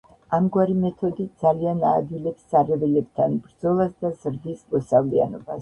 ამგვარი მეთოდი ძალიან აადვილებს სარეველებთან ბრძოლას და ზრდის მოსავლიანობას.